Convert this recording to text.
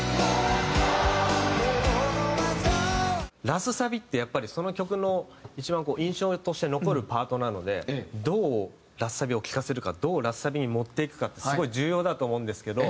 ラスサビってやっぱりその曲の一番印象として残るパートなのでどうラスサビを聴かせるかどうラスサビに持っていくかってすごい重要だと思うんですけど。